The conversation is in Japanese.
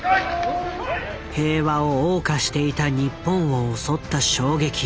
平和を謳歌していた日本を襲った衝撃。